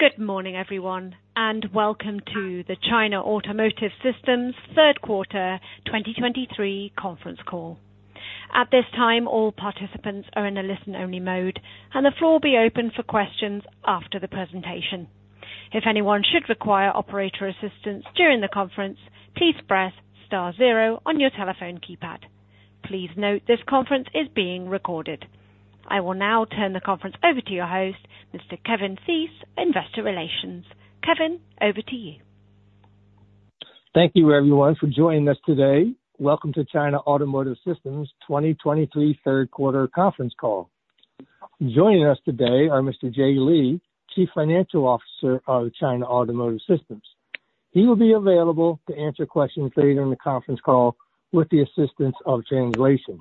Good morning, everyone, and welcome to the China Automotive Systems third quarter 2023 conference call. At this time, all participants are in a listen-only mode, and the floor will be open for questions after the presentation. If anyone should require operator assistance during the conference, please press star zero on your telephone keypad. Please note this conference is being recorded. I will now turn the conference over to your host, Mr. Kevin Theiss, Investor Relations. Kevin, over to you. Thank you, everyone, for joining us today. Welcome to China Automotive Systems 2023 third quarter conference call. Joining us today are Mr. Jie Li, Chief Financial Officer of China Automotive Systems. He will be available to answer questions later in the conference call with the assistance of translation.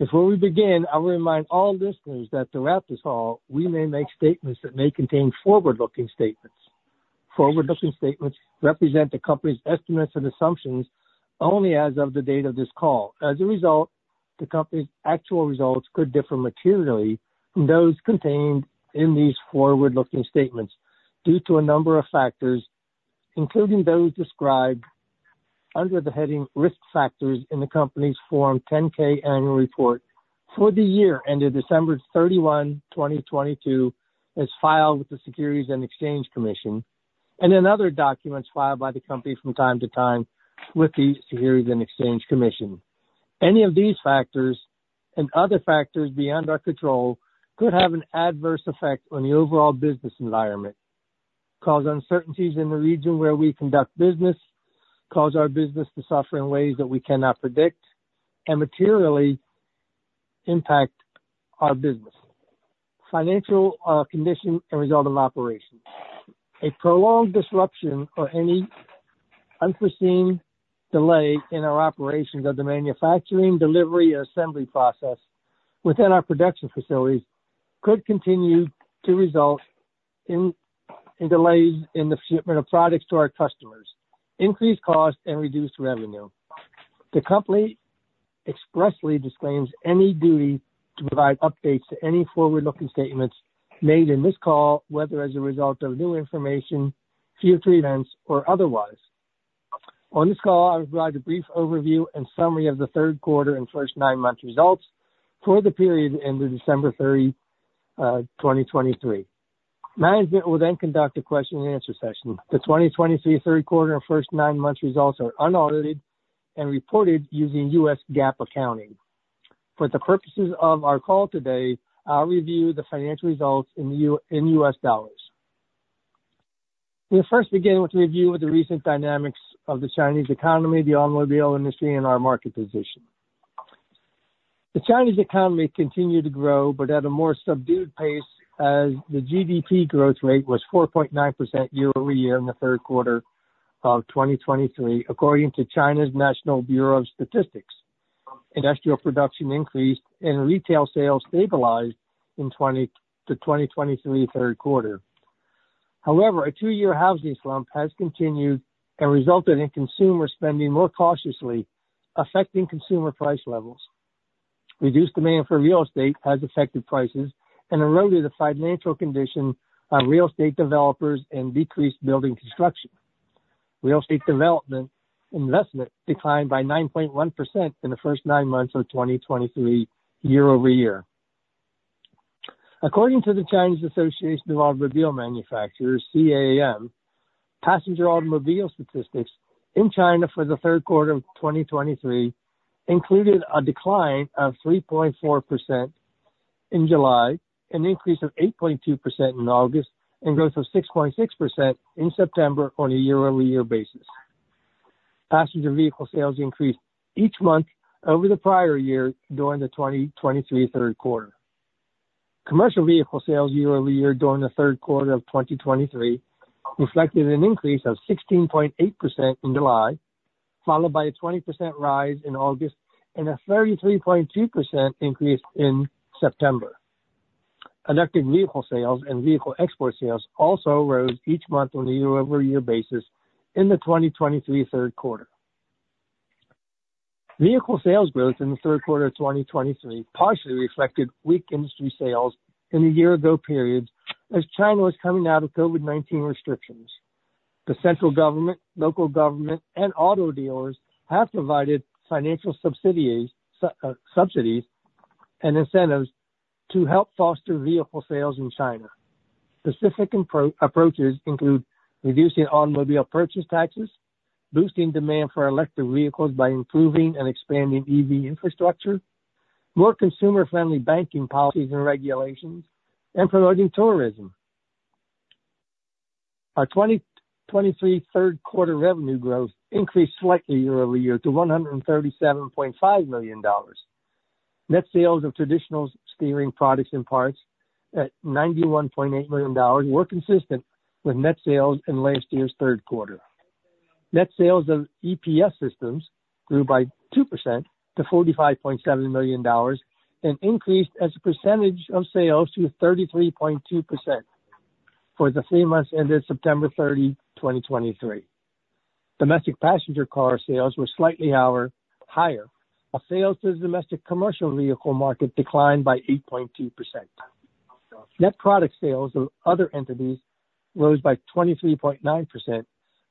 Before we begin, I will remind all listeners that throughout this call, we may make statements that may contain forward-looking statements. Forward-looking statements represent the company's estimates and assumptions only as of the date of this call. As a result, the company's actual results could differ materially from those contained in these forward-looking statements due to a number of factors, including those described under the heading Risk Factors in the company's Form 10-K Annual Report for the year ended December 31, 2022, as filed with the Securities and Exchange Commission, and in other documents filed by the company from time to time with the Securities and Exchange Commission. Any of these factors and other factors beyond our control could have an adverse effect on the overall business environment, cause uncertainties in the region where we conduct business, cause our business to suffer in ways that we cannot predict and materially impact our business, financial, condition and result of operations. A prolonged disruption or any unforeseen delay in our operations of the manufacturing, delivery, or assembly process within our production facilities could continue to result in delays in the shipment of products to our customers, increased costs and reduced revenue. The company expressly disclaims any duty to provide updates to any forward-looking statements made in this call, whether as a result of new information, future events, or otherwise. On this call, I will provide a brief overview and summary of the third quarter and first nine months results for the period ending December 30, 2023. Management will then conduct a question and answer session. The 2023 third quarter and first nine months results are unaudited and reported using US GAAP accounting. For the purposes of our call today, I'll review the financial results in US dollars. We'll first begin with a review of the recent dynamics of the Chinese economy, the automobile industry, and our market position. The Chinese economy continued to grow, but at a more subdued pace, as the GDP growth rate was 4.9% year-over-year in the third quarter of 2023, according to China's National Bureau of Statistics. Industrial production increased and retail sales stabilized in the 2023 third quarter. However, a two-year housing slump has continued and resulted in consumer spending more cautiously, affecting consumer price levels. Reduced demand for real estate has affected prices and eroded the financial condition of real estate developers and decreased building construction. Real estate development investment declined by 9.1% in the first nine months of 2023, year-over-year. According to the Chinese Association of Automobile Manufacturers, CAAM, passenger automobile statistics in China for the third quarter of 2023 included a decline of 3.4% in July, an increase of 8.2% in August, and growth of 6.6% in September on a year-over-year basis. Passenger vehicle sales increased each month over the prior year during the 2023 third quarter. Commercial vehicle sales year-over-year during the third quarter of 2023 reflected an increase of 16.8% in July, followed by a 20% rise in August and a 33.2% increase in September. Electric vehicle sales and vehicle export sales also rose each month on a year-over-year basis in the 2023 third quarter. Vehicle sales growth in the third quarter of 2023 partially reflected weak industry sales in the year ago period as China was coming out of COVID-19 restrictions. The central government, local government and auto dealers have provided financial subsidies, subsidies and incentives to help foster vehicle sales in China. Specific approaches include reducing automobile purchase taxes, boosting demand for electric vehicles by improving and expanding EV infrastructure, more consumer-friendly banking policies and regulations, and promoting tourism. Our 2023 third quarter revenue growth increased slightly year-over-year to $137.5 million. Net sales of traditional steering products and parts at $91.8 million were consistent with net sales in last year's third quarter. Net sales of EPS systems grew by 2% to $45.7 million and increased as a percentage of sales to 33.2% for the three months ended September 30, 2023. Domestic passenger car sales were slightly higher, while sales to the domestic commercial vehicle market declined by 8.2%. Net product sales of other entities rose by 23.9%,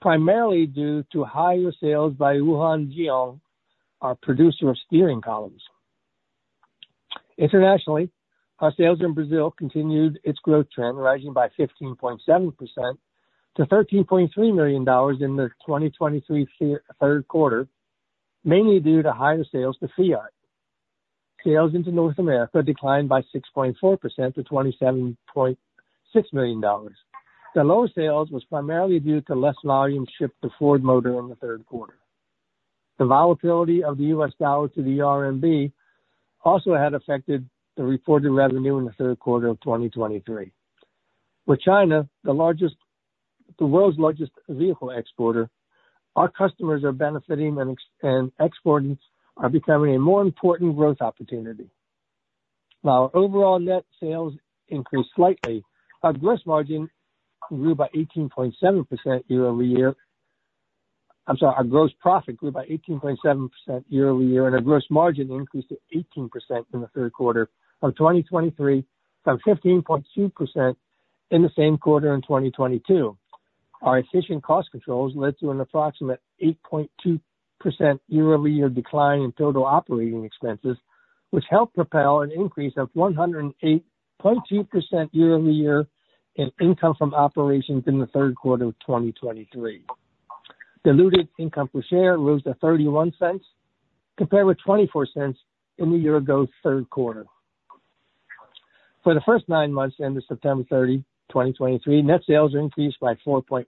primarily due to higher sales by Wuhan Jielong, our producer of steering columns. Internationally, our sales in Brazil continued its growth trend, rising by 15.7% to $13.3 million in the 2023 third quarter, mainly due to higher sales to Fiat. Sales into North America declined by 6.4% to $27.6 million. The lower sales was primarily due to less volume shipped to Ford Motor in the third quarter. The volatility of the US dollar to the RMB also had affected the reported revenue in the third quarter of 2023. With China, the world's largest vehicle exporter, our customers are benefiting and exports are becoming a more important growth opportunity. While overall net sales increased slightly, our gross margin grew by 18.7% year-over-year. I'm sorry. Our gross profit grew by 18.7% year-over-year, and our gross margin increased to 18% in the third quarter of 2023, from 15.2% in the same quarter in 2022. Our efficient cost controls led to an approximate 8.2% year-over-year decline in total operating expenses, which helped propel an increase of 108.2% year-over-year in income from operations in the third quarter of 2023. Diluted income per share rose to $0.31, compared with $0.24 in the year ago third quarter. For the first nine months ended September 30, 2023, net sales increased by 4.1%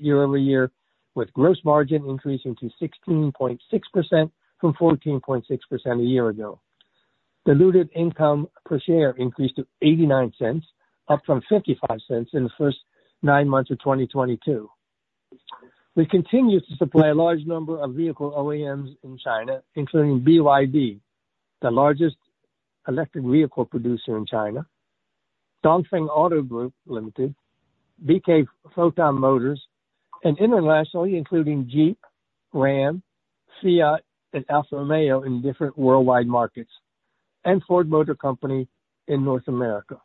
year-over-year, with gross margin increasing to 16.6% from 14.6% a year ago. Diluted income per share increased to $0.89, up from $0.55 in the first nine months of 2022. We continue to supply a large number of vehicle OEMs in China, including BYD, the largest electric vehicle producer in China, Dongfeng Auto Group Limited, Beiqi Foton Motors and internationally, including Jeep, Ram, Fiat and Alfa Romeo in different worldwide markets, and Ford Motor Company in North America.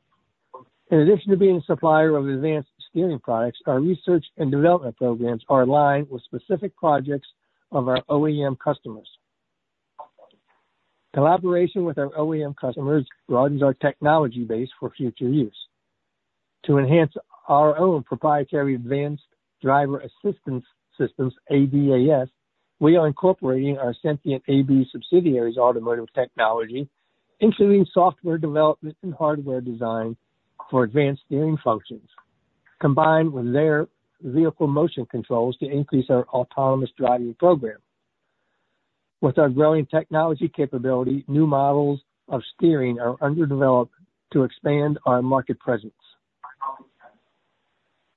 In addition to being a supplier of advanced steering products, our research and development programs are aligned with specific projects of our OEM customers. Collaboration with our OEM customers broadens our technology base for future use. To enhance our own proprietary advanced driver assistance systems, ADAS, we are incorporating our Sentient AB subsidiary's automotive technology, including software development and hardware design for advanced steering functions, combined with their vehicle motion controls to increase our autonomous driving program. With our growing technology capability, new models of steering are under development to expand our market presence.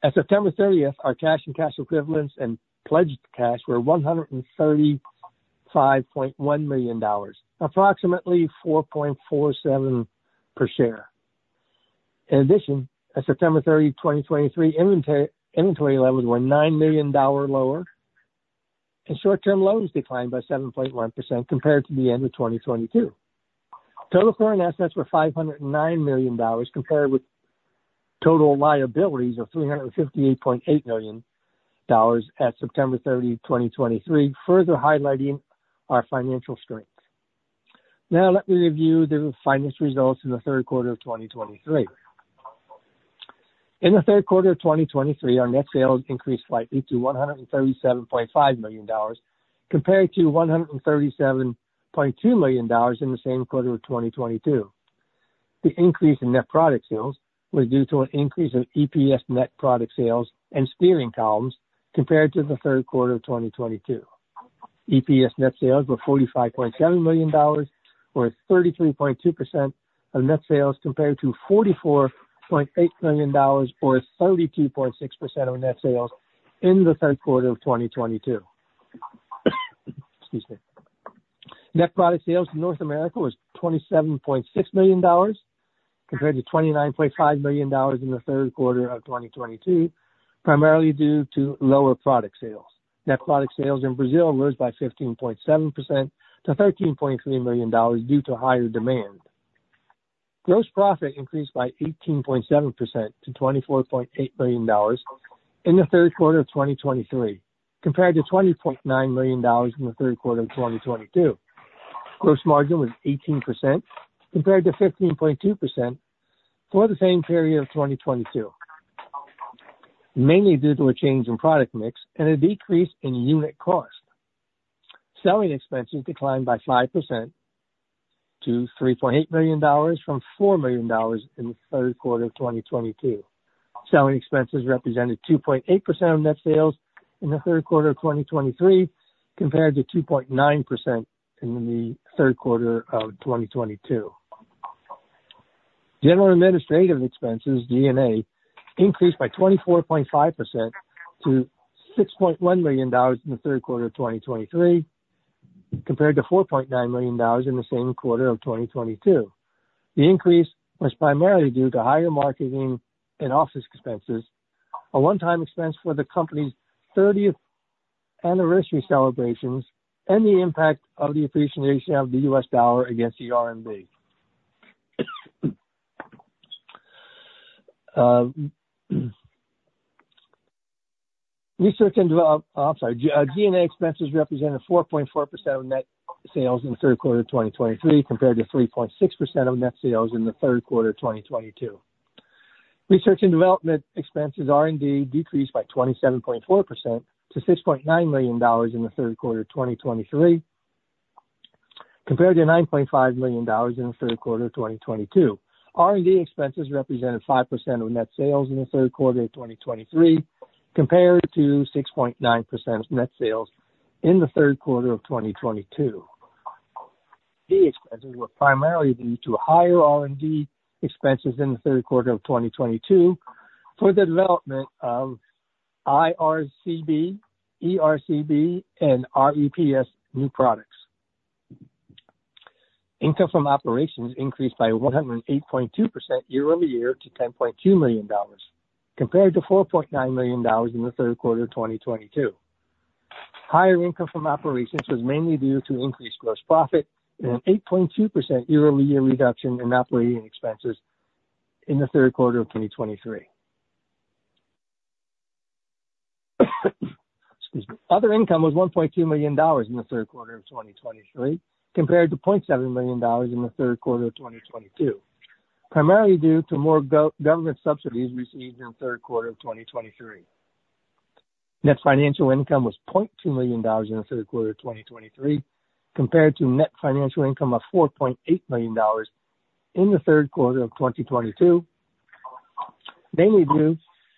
At September 30, our cash and cash equivalents and pledged cash were $135.1 million, approximately 4.47 per share. In addition, as of September 30, 2023, inventory levels were $9 million lower, and short-term loans declined by 7.1% compared to the end of 2022. Total current assets were $509 million, compared with total liabilities of $358.8 million at September 30, 2023, further highlighting our financial strength. Now, let me review the financial results in the third quarter of 2023. In the third quarter of 2023, our net sales increased slightly to $137.5 million, compared to $137.2 million in the same quarter of 2022. The increase in net product sales was due to an increase of EPS net product sales and steering columns compared to the third quarter of 2022. EPS net sales were $45.7 million, or 33.2% of net sales, compared to $44.8 million, or 32.6% of net sales in the third quarter of 2022. Excuse me. Net product sales in North America was $27.6 million, compared to $29.5 million in the third quarter of 2022, primarily due to lower product sales. Net product sales in Brazil rose by 15.7% to $13.3 million due to higher demand. Gross profit increased by 18.7% to $24.8 million in the third quarter of 2023, compared to $20.9 million in the third quarter of 2022. Gross margin was 18%, compared to 15.2% for the same period of 2022, mainly due to a change in product mix and a decrease in unit cost. Selling expenses declined by 5% to $3.8 million from $4 million in the third quarter of 2022. Selling expenses represented 2.8% of net sales in the third quarter of 2023, compared to 2.9% in the third quarter of 2022. General and administrative expenses, G&A, increased by 24.5% to $6.1 million in the third quarter of 2023-... compared to $4.9 million in the same quarter of 2022. The increase was primarily due to higher marketing and office expenses, a one-time expense for the company's thirtieth anniversary celebrations, and the impact of the appreciation of the US dollar against the RMB. G&A expenses represented 4.4% of net sales in the third quarter of 2023, compared to 3.6% of net sales in the third quarter of 2022. Research and development expenses, R&D, decreased by 27.4% to $6.9 million in the third quarter of 2023, compared to $9.5 million in the third quarter of 2022. R&D expenses represented 5% of net sales in the third quarter of 2023, compared to 6.9% of net sales in the third quarter of 2022. These expenses were primarily due to higher R&D expenses in the third quarter of 2022 for the development of I-RCB, E-RCB, and REPS new products. Income from operations increased by 108.2% year-over-year to $10.2 million, compared to $4.9 million in the third quarter of 2022. Higher income from operations was mainly due to increased gross profit and an 8.2% year-over-year reduction in operating expenses in the third quarter of 2023. Excuse me. Other income was $1.2 million in the third quarter of 2023, compared to $0.7 million in the third quarter of 2022, primarily due to more government subsidies received in the third quarter of 2023. Net financial income was $0.2 million in the third quarter of 2023, compared to net financial income of $4.8 million in the third quarter of 2022, mainly due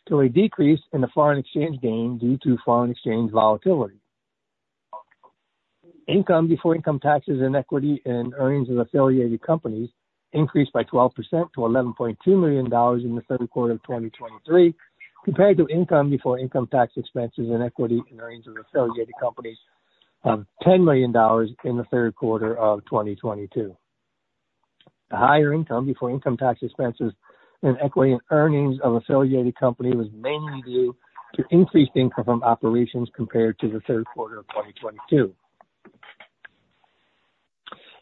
to a decrease in the foreign exchange gain due to foreign exchange volatility. Income before income taxes and equity and earnings of affiliated companies increased by 12% to $11.2 million in the third quarter of 2023, compared to income before income tax expenses and equity in earnings of affiliated companies of $10 million in the third quarter of 2022. The higher income before income tax expenses and equity and earnings of affiliated company was mainly due to increased income from operations compared to the third quarter of 2022.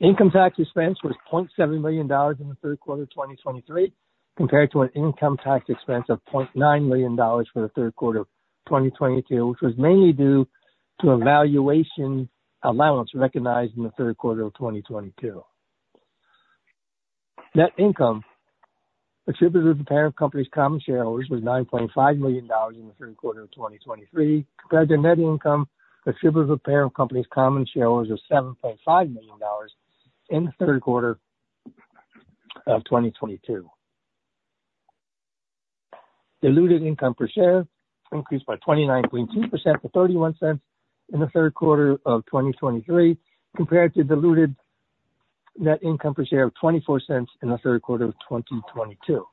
Income tax expense was $0.7 million in the third quarter of 2023, compared to an income tax expense of $0.9 million for the third quarter of 2022, which was mainly due to a valuation allowance recognized in the third quarter of 2022. Net income attributable to parent company's common shareholders was $9.5 million in the third quarter of 2023, compared to net income attributable to parent company's common shareholders of $7.5 million in the third quarter of 2022. Diluted income per share increased by 29.2% to $0.31 in the third quarter of 2023, compared to diluted net income per share of $0.24 in the third quarter of 2022.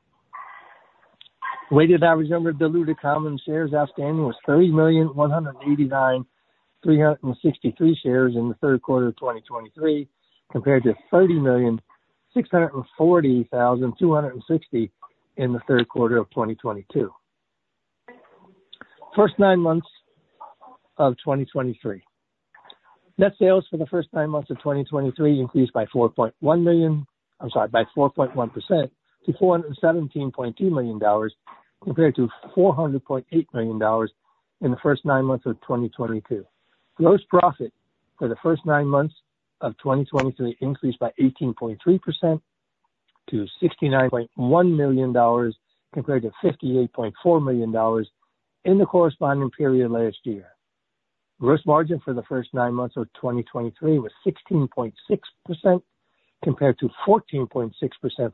Weighted average number of diluted common shares outstanding was 30,189,363 shares in the third quarter of 2023, compared to 30,640,260 in the third quarter of 2022. First nine months of 2023. Net sales for the first nine months of 2023 increased by $4.1 million, I'm sorry, by 4.1% to $417.2 million, compared to $400.8 million in the first nine months of 2022. Gross profit for the first nine months of 2023 increased by 18.3% to $69.1 million, compared to $58.4 million in the corresponding period last year. Gross margin for the first nine months of 2023 was 16.6%, compared to 14.6%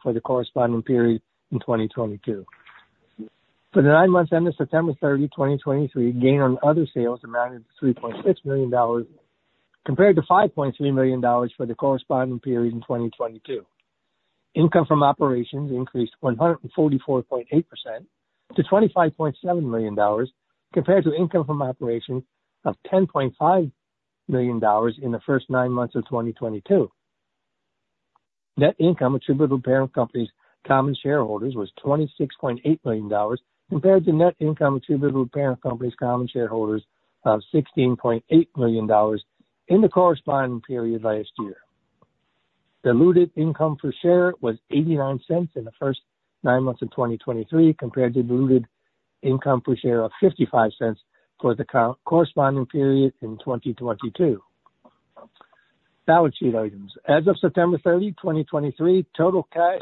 for the corresponding period in 2022. For the nine months ending September 30, 2023, gain on other sales amounted to $3.6 million, compared to $5.3 million for the corresponding period in 2022. Income from operations increased 144.8% to $25.7 million, compared to income from operations of $10.5 million in the first nine months of 2022. Net income attributable to parent company's common shareholders was $26.8 million, compared to net income attributable to parent company's common shareholders of $16.8 million in the corresponding period last year. Diluted income per share was $0.89 in the first 9 months of 2023, compared to diluted income per share of $0.55 for the corresponding period in 2022. Balance sheet items. As of September 30, 2023, total cash,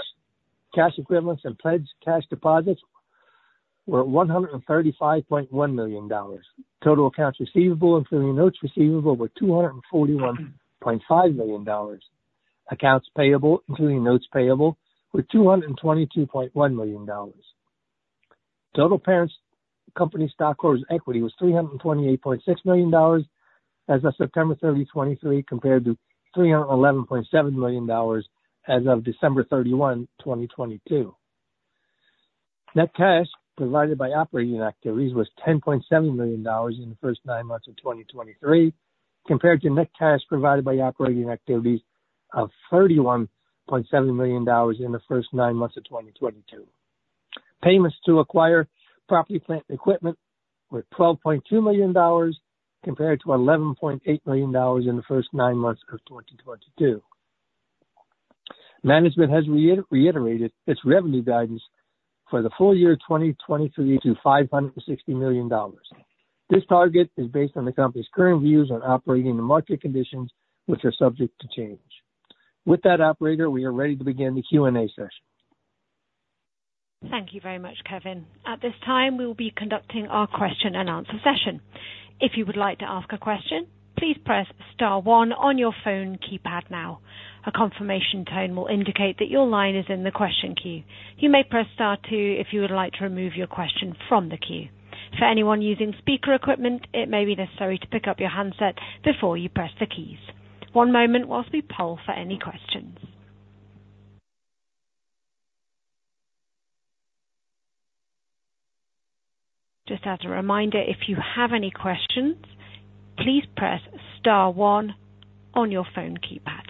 cash equivalents and pledged cash deposits were $135.1 million. Total accounts receivable, including notes receivable, were $241.5 million. Accounts payable, including notes payable, were $222.1 million. Total parent company stockholders' equity was $328.6 million as of September 30, 2023, compared to $311.7 million as of December 31, 2022. Net cash provided by operating activities was $10.7 million in the first nine months of 2023, compared to net cash provided by operating activities of $31.7 million in the first nine months of 2022. Payments to acquire property, plant, and equipment were $12.2 million, compared to $11.8 million in the first nine months of 2022. Management has reiterated its revenue guidance for the full year 2023 to $560 million. This target is based on the company's current views on operating and market conditions, which are subject to change. With that, operator, we are ready to begin the Q&A session. Thank you very much, Kevin. At this time, we will be conducting our question-and-answer session. If you would like to ask a question, please press star one on your phone keypad now. A confirmation tone will indicate that your line is in the question queue. You may press star two if you would like to remove your question from the queue. For anyone using speaker equipment, it may be necessary to pick up your handset before you press the keys. One moment while we poll for any questions. Just as a reminder, if you have any questions, please press star one on your phone keypad.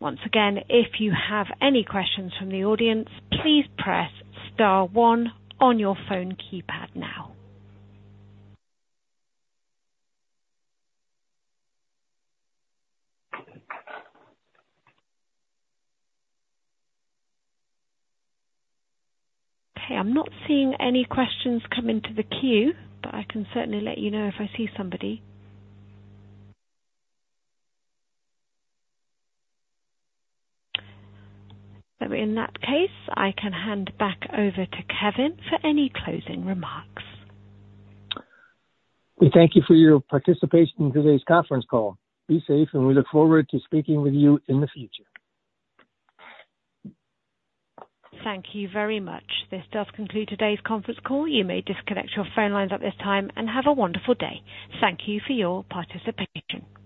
Once again, if you have any questions from the audience, please press star one on your phone keypad now. Okay, I'm not seeing any questions come into the queue, but I can certainly let you know if I see somebody. So in that case, I can hand back over to Kevin for any closing remarks. We thank you for your participation in today's conference call. Be safe, and we look forward to speaking with you in the future. Thank you very much. This does conclude today's conference call. You may disconnect your phone lines at this time, and have a wonderful day. Thank you for your participation.